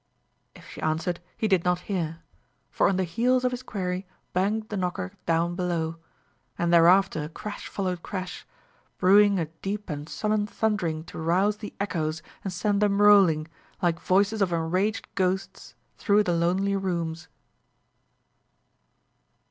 If she answered, he did not hear; for on the heels of his query banged the knocker down below; and thereafter crash followed crash, brewing a deep and sullen thundering to rouse the echoes and send them rolling, like voices of enraged ghosts, through the lonely rooms.